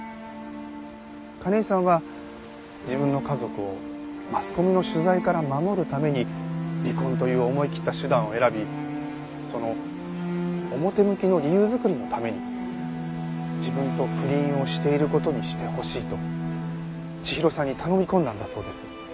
金井さんは自分の家族をマスコミの取材から守るために離婚という思いきった手段を選びその表向きの理由作りのために自分と不倫をしている事にしてほしいと千尋さんに頼み込んだんだそうです。